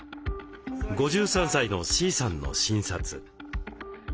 ５３歳のＣさんの診察。